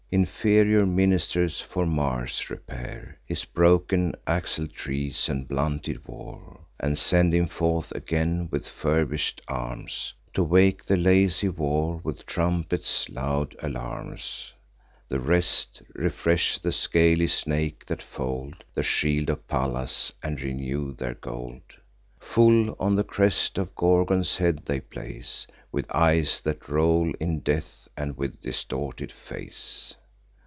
Inferior ministers, for Mars, repair His broken axletrees and blunted war, And send him forth again with furbish'd arms, To wake the lazy war with trumpets' loud alarms. The rest refresh the scaly snakes that fold The shield of Pallas, and renew their gold. Full on the crest the Gorgon's head they place, With eyes that roll in death, and with distorted face.